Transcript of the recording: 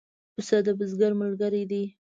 پسه د بزګر ملګری دی.